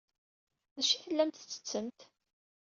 D acu ay tellamt tettettemt?